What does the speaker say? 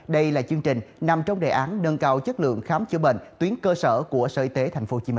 đây là chương trình nằm trong đề án nâng cao chất lượng khám chữa bệnh tuyến cơ sở của sở y tế tp hcm